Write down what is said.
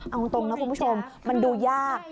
เอาตรงนะคุณผู้ชมมันดูยาก